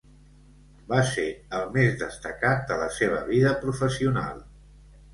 Va ser el més destacat de la seva vida professional.